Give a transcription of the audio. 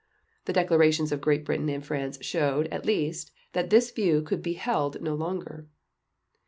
The declarations of Great Britain and France showed, at least, that this view could be held no longer.